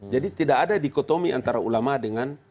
tidak ada dikotomi antara ulama dengan